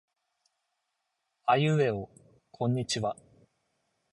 あいうえおこんにちは。